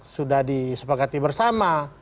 sudah disepakati bersama